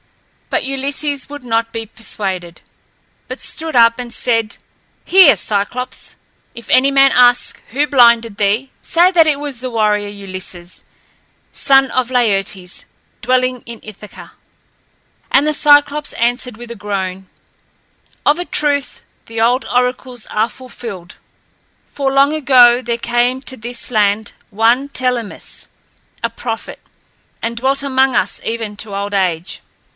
But Ulysses would not be persuaded, but stood up and said, "Hear, Cyclops! If any man ask who blinded thee, say that it was the warrior Ulysses, son of Laertes, dwelling in Ithaca." And the Cyclops answered with a groan, "Of a truth, the old oracles are fulfilled, for long ago there came to this land one Telemus, a prophet, and dwelt among us even to old age.